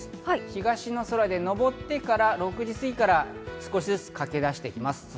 東の空で登ってから６時過ぎから少しずつ欠け出していきます。